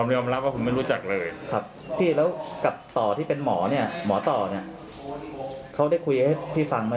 พี่แล้วกับต่อที่เป็นหมอเนี่ยหมอต่อเนี่ยเขาได้คุยให้พี่ฟังไหม